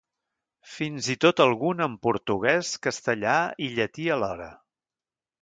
Fins i tot algun en portuguès, castellà i llatí alhora.